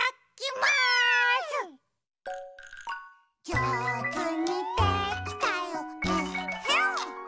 「じょうずにできたよえっへん」